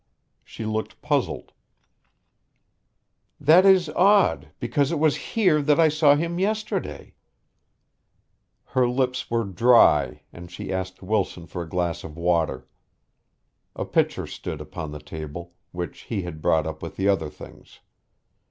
She looked puzzled. "That is odd, because it was here that I saw him yesterday." Her lips were dry and she asked Wilson for a glass of water. A pitcher stood upon the table, which he had brought up with the other things.